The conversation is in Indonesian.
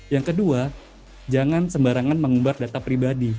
yang kedua jangan sembarangan mengumbar data pribadi